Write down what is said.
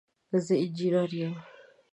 زه انجنیر یم